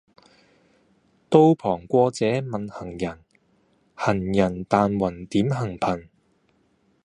道旁過者問行人，行人但云點行頻。